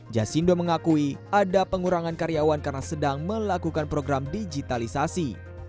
jasindo mengakui ada pengurangan karyawan karena sedang melakukan program digitalisasi